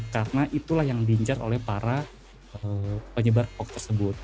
karena itulah yang diincar oleh para penyebar hoax tersebut